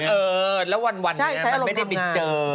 เออแล้ววันนี้มันไม่ได้ไปเจอ